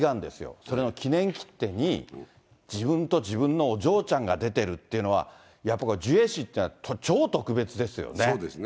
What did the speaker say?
それの記念切手に自分と自分のお嬢ちゃんが出てるっていうのは、やっぱこれ、ジュエ氏というのは超特別ですよね。